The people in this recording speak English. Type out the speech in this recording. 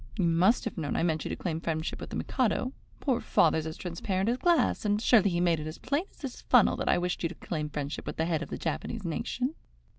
You must have known I meant you to claim friendship with the Mikado. Poor father's as transparent as glass, and he surely made it as plain as this funnel that I wished you to claim friendship with the head of the Japanese nation.